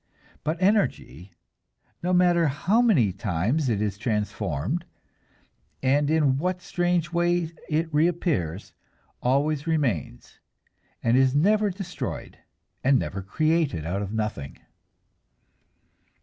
But energy, no matter how many times it is transformed, and in what strange ways it reappears, always remains, and is never destroyed, and never created out of nothing.